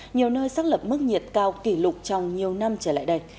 nhiều nơi xác lập mức nhiệt cao kỷ lục trong nhiều năm trở lại đây